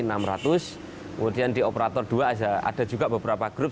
kemudian di operator dua ada juga beberapa grup